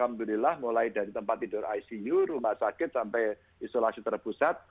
alhamdulillah mulai dari tempat tidur icu rumah sakit sampai isolasi terpusat